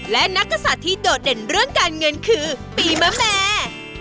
และนักกษัตริย์ที่โดดเด่นเรื่องการเงินคือปีมะแม่